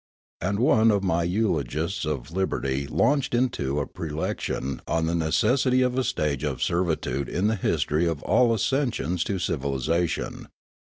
And one of my eulogists of liberty launched into a prelection on the necessity of a stage of servitude in the history of all ascensions to civilisation.